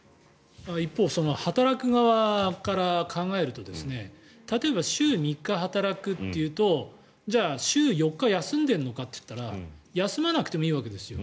一方、働く側から考えると例えば、週３日働くというとじゃあ、週４日休んでるのかといったら休まなくてもいいわけですよ。